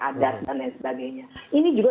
adat dan lain sebagainya ini juga